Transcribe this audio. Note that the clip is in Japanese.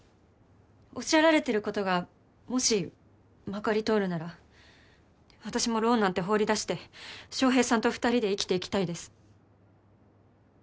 おっしゃられてることがもしまかり通るなら私もローンなんて放り出して翔平さんと２人で生きていきたいです。